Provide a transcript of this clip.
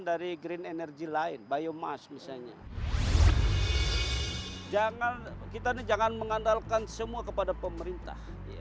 dari green energy lain biomash misalnya jangan kita jangan mengandalkan semua kepada pemerintah